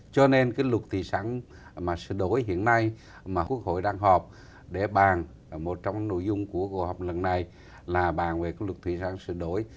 cho nên cái luật thủy sản mà sửa đổi hiện nay mà quốc hội đang họp để bàn một trong nội dung của cuộc họp lần này là bàn về cái luật thủy sản sửa đổi